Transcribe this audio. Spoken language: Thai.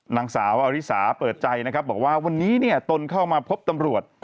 นางสาวอริสาเปิดใจนะครับบอกว่าวันนี้เนี่ยตนเข้ามาพบตำรวจ